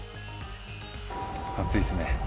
暑いですね。